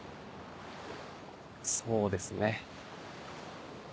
そうですね。